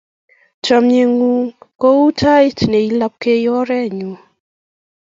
Chomye ng'ung' kou tait ne i lapkei orennyu.